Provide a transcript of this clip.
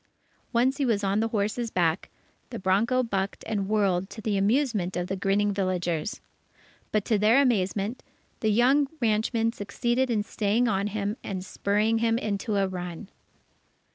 Once, he was on the horse's back, the bronco bucked and whirled to the amusement of the grinning villagers. But to their amazement, the young ranchman succeeded in staying on him and spurring him into a run.